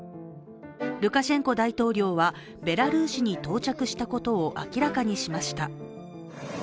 ルカシェンコ大統領は、ベラルーシに到着したことを明らかにしました。